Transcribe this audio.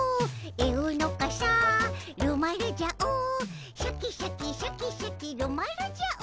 えうのかさるまるじゃおシャキシャキシャキシャキるまるじゃお。